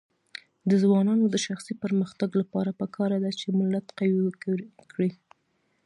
د ځوانانو د شخصي پرمختګ لپاره پکار ده چې ملت قوي کړي.